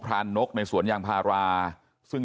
แล้วผมเป็นเพื่อนกับพระนกแต่ผมก็ไม่เคยช่วยเหลือเสียแป้ง